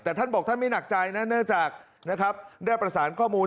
แต่ท่านบอกท่านไม่หนักใจนะเนื่องจากนะครับได้ประสานข้อมูล